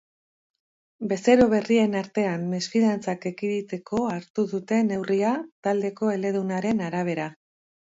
Bezero berrien artean mesfidantzak ekiditeko hartu dute neurria, taldeko eledunaren arabera.